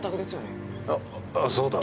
ああそうだ。